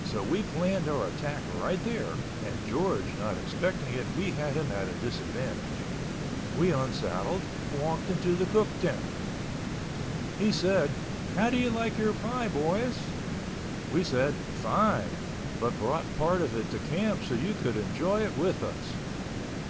So we planned our attack right there, and George not expecting it, we had him at a disadvantage. We unsaddled—walked into the cook tent. He said, "How did you like your pie, boys?" We said, "Fine—but brought part of it to camp so you could enjoy it with us."